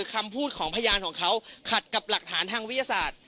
คำพูดของพยานของเขาขัดกับหลักฐานทางวิทยาศาสตร์